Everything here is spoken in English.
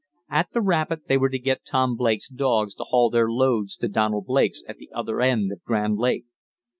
At the rapid they were to get Tom Blake's dogs to haul their loads to Donald Blake's at the other end of Grand Lake.